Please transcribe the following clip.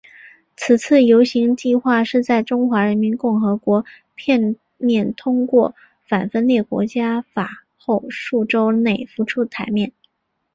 此次游行计画是在中华人民共和国片面通过反分裂国家法后数周内浮出台面。